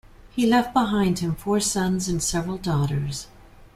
He left behind him four sons and several daughters.